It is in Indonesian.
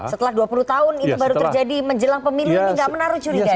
setelah dua puluh tahun itu baru terjadi menjelang pemilih ini nggak menaruh curiga ya